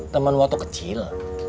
temen waktu kecil